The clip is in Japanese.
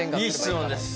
いい質問です。